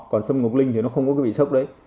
còn sâm ngọc linh thì không có vị sốc đấy